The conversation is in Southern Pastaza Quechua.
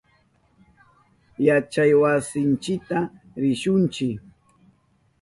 Yachaywasinchita rishunchi.